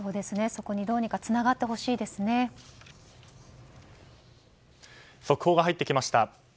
そこにどうにか速報が入ってきました。